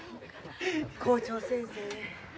校長先生。